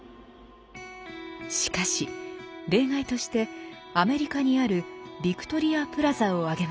しかし例外としてアメリカにある「ヴィクトリア・プラザ」を挙げました。